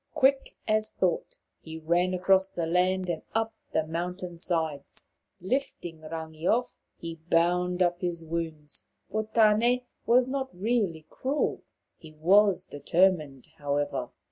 Quick as thought, he ran across the land and up the mountain sides. Lifting Rangi off, he bound up his wounds ; for Tane* was not really cruel. He was determined, however.